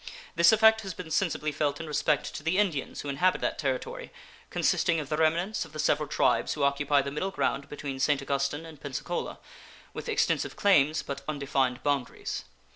This effect has been sensibly felt in respect to the Indians who inhabit that Territory, consisting of the remnants of the several tribes who occupy the middle ground between St. Augustine and Pensacola, with extensive claims but undefined boundaries.